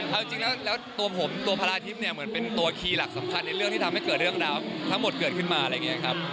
เอาจริงแล้วตัวผมตัวพลาทิพย์เนี่ยเหมือนเป็นตัวคีย์หลักสำคัญในเรื่องที่ทำให้เกิดเรื่องราวทั้งหมดเกิดขึ้นมาอะไรอย่างนี้ครับ